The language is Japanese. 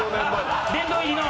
殿堂入りの。